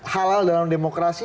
halal dalam demokrasi